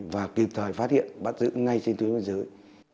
và kịp thời phát hiện bắt giữ ngay trên tuyến biên giới